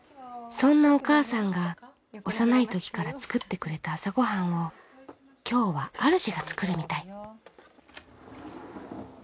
そんなお母さんが幼いときから作ってくれた朝ごはんを今日はあるじが作るみたい。